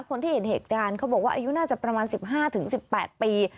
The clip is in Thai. คนที่เห็นเหตุการณ์เขาบอกว่าอายุน่าจะประมาณ๑๕๑๘ปี